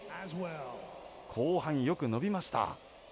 後半よく伸びました。